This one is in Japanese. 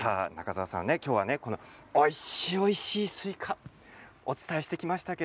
きょうはおいしいおいしいスイカ、お伝えしてきました。